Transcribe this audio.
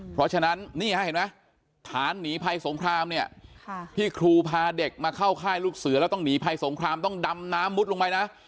เพราะฉะนั้นนี่ฮะเห็นไหมฐานหนีภัยสงครามเนี่ยที่ครูพาเด็กมาเข้าค่ายลูกเสือแล้วต้องหนีภัยสงครามต้องดำน้ำมุดลงไปนะ